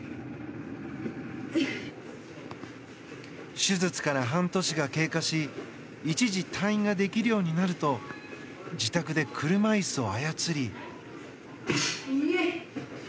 手術から半年が経過し一時退院ができるようになると自宅で車椅子を操り。